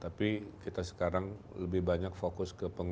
tapi kita sekarang lebih banyak fokus ke pengungsi